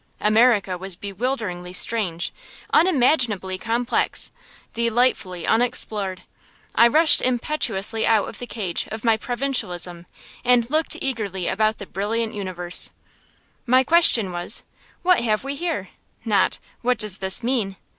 America was bewilderingly strange, unimaginably complex, delightfully unexplored. I rushed impetuously out of the cage of my provincialism and looked eagerly about the brilliant universe. My question was, What have we here? not, What does this mean?